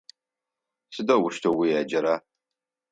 Сыдэущтэу уеджэра?